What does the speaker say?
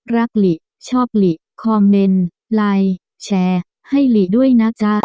หลีชอบหลีคอมเมนต์ไลน์แชร์ให้หลีด้วยนะจ๊ะ